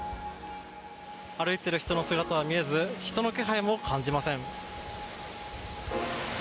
歩いている人の姿は見えず人の気配も感じません。